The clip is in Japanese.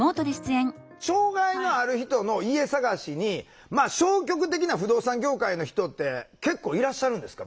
障害のある人の家探しに消極的な不動産業界の人って結構いらっしゃるんですか？